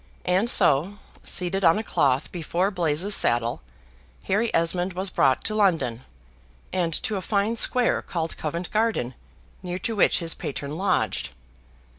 And so, seated on a cloth before Blaise's saddle, Harry Esmond was brought to London, and to a fine square called Covent Garden, near to which his patron lodged.